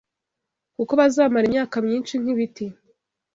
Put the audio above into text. kuko bazamara imyaka myinshi nk’ibiti